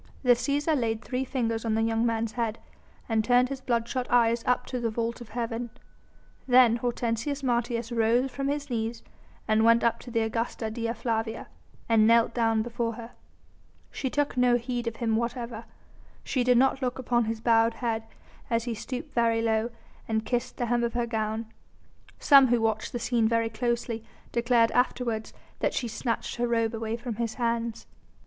The Cæsar laid three fingers on the young man's head, and turned his bloodshot eyes up to the vault of heaven. Then Hortensius Martius rose from his knees and went up to the Augusta Dea Flavia, and knelt down before her. She took no heed of him whatever. She did not look upon his bowed head as he stooped very low and kissed the hem of her gown; some who watched the scene very closely declared afterwards that she snatched her robe away from his hands.